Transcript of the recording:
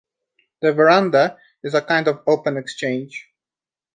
The verandah is a kind of open exchange.